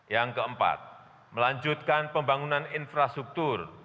yang keempat melanjutkan pembangunan infrastruktur